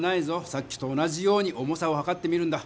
さっきと同じように重さをはかってみるんだ。